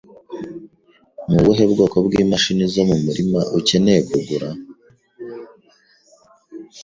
Ni ubuhe bwoko bw'imashini zo mu murima ukeneye kugura?